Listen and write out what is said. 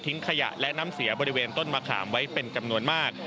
ขยะและน้ำเสียบริเวณต้นมะขามไว้เป็นจำนวนมาก